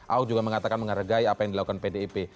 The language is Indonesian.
ahok juga mengatakan menghargai apa yang dilakukan pdip